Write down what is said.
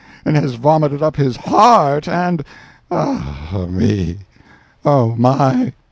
and has vomited up his heart and—ah, me—oh my!